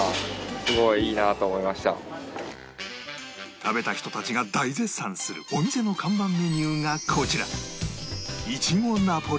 食べた人たちが大絶賛するお店の看板メニューがこちら